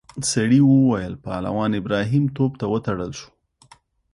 سړي وویل پهلوان ابراهیم توپ ته وتړل شو.